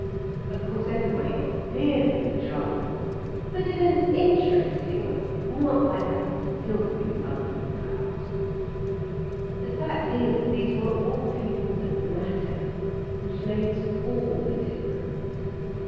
Of course, everybody got fearfully drunk—but in an interesting way, not like that filthy London crowd. The fact is these were all people that matter, which makes all the difference.